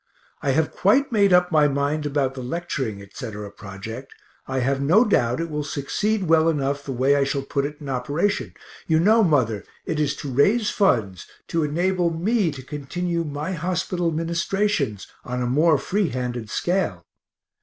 I have quite made up my mind about the lecturing, etc., project I have no doubt it will succeed well enough the way I shall put it in operation. You know, mother, it is to raise funds to enable me to continue my hospital ministrations, on a more free handed scale.